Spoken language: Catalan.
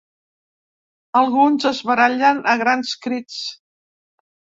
Alguns es barallen a grans crits.